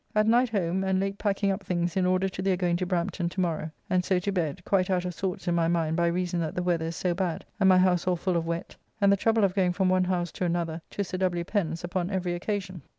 At night home, and late packing up things in order to their going to Brampton to morrow, and so to bed, quite out of sorts in my mind by reason that the weather is so bad, and my house all full of wet, and the trouble of going from one house to another to Sir W. Pen's upon every occasion.